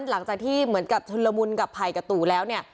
หลังจากที่เหมือนกับชุนละมุนกับภัยกับตู่แล้วเนี่ย